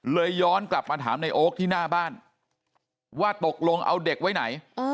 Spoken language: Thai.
ย้อนกลับมาถามในโอ๊คที่หน้าบ้านว่าตกลงเอาเด็กไว้ไหน